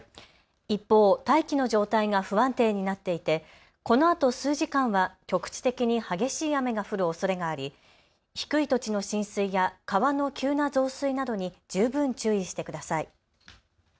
一方、大気の状態が不安定になっていてこのあと数時間は局地的に激しい雨が降るおそれがあり低い土地の浸水や川の急な増水などに十分注意してください。